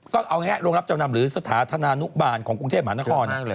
ก็เอาง่ายโรงรับจำนำหรือสถานธนานุบาลของกรุงเทพมหานคร